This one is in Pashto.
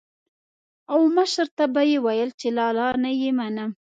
او مشر ته به یې ويل چې لالا نه يې منم.